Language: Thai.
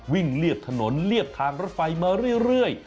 เรียบถนนเรียบทางรถไฟมาเรื่อย